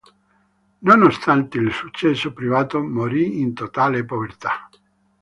Nonostante il successo privato, morì in totale povertà.